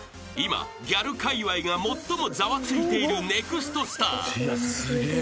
［今ギャルかいわいが最もざわついているネクストスター］